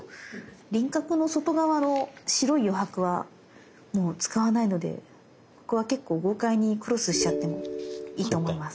輪郭の外側の白い余白はもう使わないのでここは結構豪快にクロスしちゃってもいいと思います。